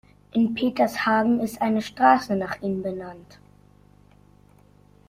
In Petershagen ist eine Straße nach ihm benannt.